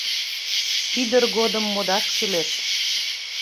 Ӱдыр годым модаш кӱлеш